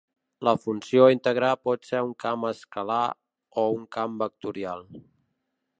La funció a integrar pot ser un camp escalar o un camp vectorial.